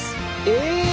え！